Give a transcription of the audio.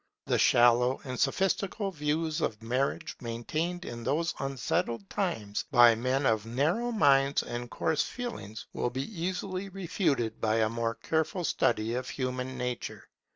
The shallow and sophistical views of marriage maintained in these unsettled times by men of narrow minds and coarse feelings, will be easily refuted by a more careful study of human nature.